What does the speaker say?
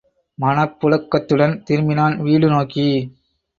மனப்புழுக்கத்துடன் திரும்பினான் வீடு நோக்கி.